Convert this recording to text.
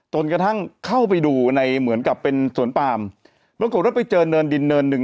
จนกระทั่งเข้าไปดูในเหมือนกับเป็นสวนปามปรากฏว่าไปเจอเนินดินเนินหนึ่ง